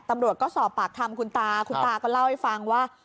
ตำรวจก็สอบปากคำคุณตาคุณตาก็เล่าให้ฟังว่า